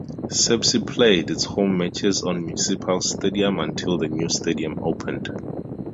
Sepsi played its home matches on Municipal Stadium until the new stadium opened.